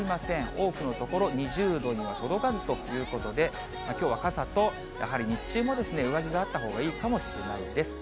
多くの所２０度には届かずということで、きょうは傘と、やはり日中も上着があったほうがいいかもしれないです。